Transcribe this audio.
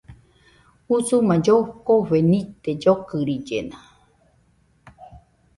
Usuma llokofe nite, llokɨrillena